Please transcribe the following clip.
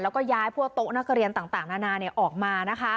แล้วก็ย้ายพวกโต๊ะนักเรียนต่างนานาออกมา